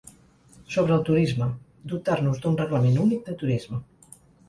Sobre el turisme: Dotar-nos d’un reglament únic de turisme.